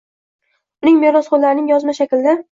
uning merosxo‘rlarining yozma shaklda